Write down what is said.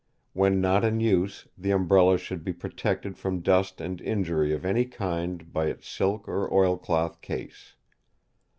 When not in use, the Umbrella should be protected from dust and injury of any kind by its silk or oilcloth case.